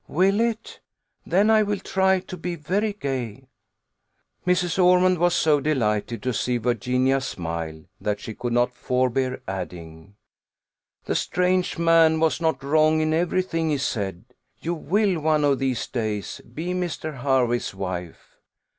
"Will it? Then I will try to be very gay." Mrs. Ormond was so delighted to see Virginia smile, that she could not forbear adding, "The strange man was not wrong in every thing he said; you will, one of these days, be Mr. Hervey's wife."